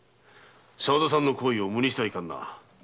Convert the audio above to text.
沢田さんの好意を無にしてはいかんな。